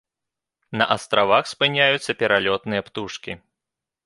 На астравах спыняюцца пералётныя птушкі.